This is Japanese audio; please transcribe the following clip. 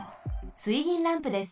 水銀ランプです。